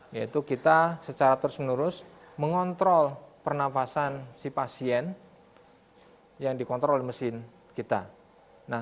yaitu kita secara terus menerus mengontrol pernafasan si pasien yang dikontrol oleh mesin kita